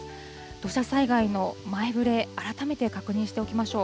土砂災害の前触れ、改めて確認しておきましょう。